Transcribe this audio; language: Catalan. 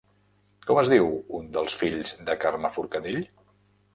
Com es diu un dels fills de Carme Forcadell?